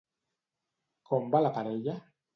Com va la parella?